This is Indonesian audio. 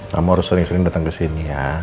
kamu harus sering sering datang kesini ya